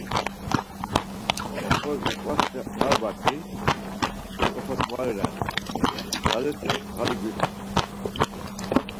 Oxorişi uk̆vaçxe ar baƙi, jur okotumale ren, tzaleti ğali gyulun…